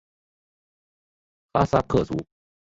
哈萨克族。